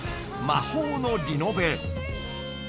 『魔法のリノベ』］